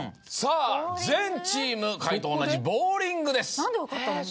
さぁ全チーム解答同じ「ボウリング」です。